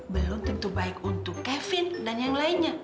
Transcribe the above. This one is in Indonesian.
belum tentu baik untuk kevin dan yang lainnya